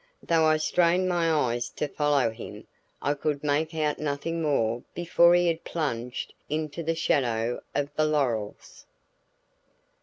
Though I strained my eyes to follow him I could make out nothing more before he had plunged into the shadow of the laurels.